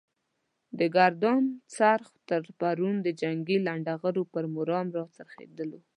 د ګردون څرخ تر پرون د جنګي لنډه غرو پر مرام را څرخېدلو.